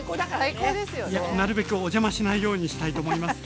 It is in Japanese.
いやなるべくお邪魔しないようにしたいと思います。